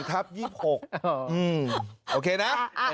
๑ทับ๒๖โอเคนะ